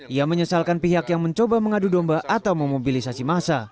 ia menyesalkan pihak yang mencoba mengadu domba atau memobilisasi masa